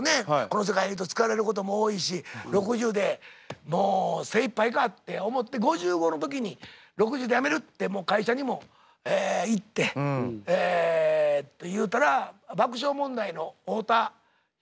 この世界いると疲れることも多いし６０でもう精いっぱいかって思って５５の時に「６０で辞める」ってもう会社にも言って言うたら爆笑問題の太田光君ってあの。